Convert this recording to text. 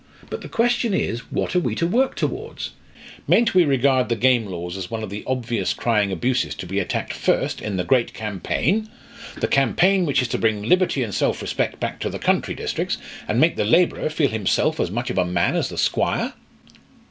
But the question is, what are we to work towards? Mayn't we regard the game laws as one of the obvious crying abuses to be attacked first in the great campaign! the campaign which is to bring liberty and self respect back to the country districts, and make the labourer feel himself as much of a man as the squire?"